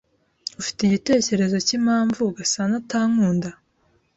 Ufite igitekerezo cyimpamvu Gasanaatankunda?